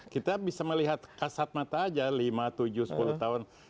kita bisa melihat kasat mata aja lima tujuh sepuluh tahun